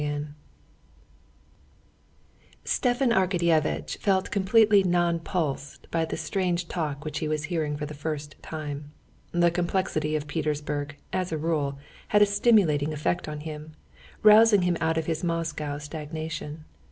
Chapter 22 Stepan Arkadyevitch felt completely nonplussed by the strange talk which he was hearing for the first time. The complexity of Petersburg, as a rule, had a stimulating effect on him, rousing him out of his Moscow stagnation.